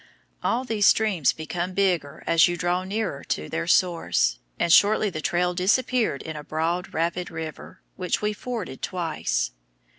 All these streams become bigger as you draw nearer to their source, and shortly the trail disappeared in a broad rapid river, which we forded twice.